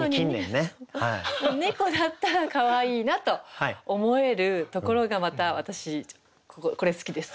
なのに猫だったらかわいいなと思えるところがまた私これ好きです。